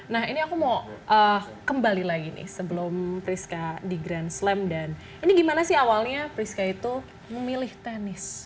nah ini aku mau kembali lagi nih sebelum priska di grand slam dan ini gimana sih awalnya priska itu memilih tenis